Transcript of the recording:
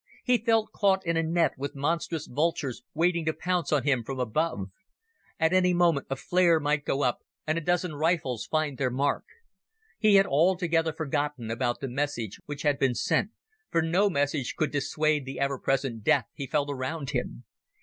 He felt caught in a net, with monstrous vultures waiting to pounce on him from above. At any moment a flare might go up and a dozen rifles find their mark. He had altogether forgotten about the message which had been sent, for no message could dissuade the ever present death he felt around him.